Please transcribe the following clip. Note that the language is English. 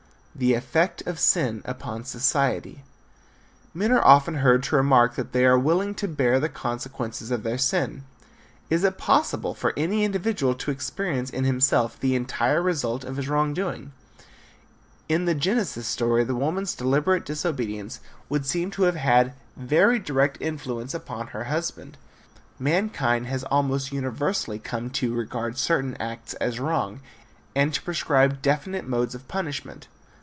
VI. THE EFFECT OF SIN UPON SOCIETY. Men are often heard to remark that they are willing to bear the consequences of their sin. Is it possible for any individual to experience in himself the entire result of his wrong doing? In the Genesis story the woman's deliberate disobedience would seem to have had very direct influence upon her husband. Mankind has almost universally come to regard certain acts as wrong and to prescribe definite modes of punishment.